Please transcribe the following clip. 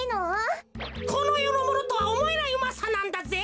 このよのものとはおもえないうまさなんだぜ。